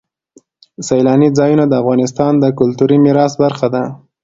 سیلانی ځایونه د افغانستان د کلتوري میراث برخه ده.